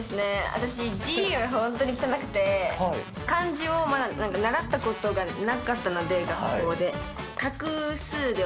私、字が本当に汚くて、漢字を習ったことがなかったので、学校で。